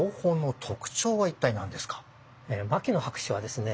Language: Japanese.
牧野博士はですね